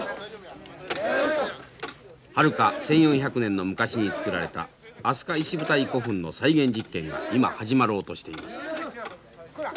はるか１，４００年の昔に造られた飛鳥石舞台古墳の再現実験が今始まろうとしています。